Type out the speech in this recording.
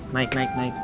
naik naik naik